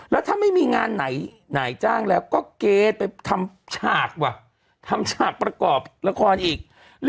แล้วถ้าไม่มีงานไหนจ้างแล้วก็เกไปทำฉากว่ะทำฉากประกอบละครอีก